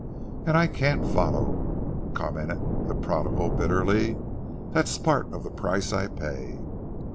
"And I can't follow," commented the prodigal bitterly. "That's part of the price I pay."